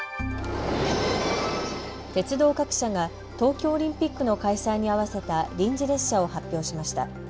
鉄道各社が東京オリンピックの開催に合わせた臨時列車を発表しました。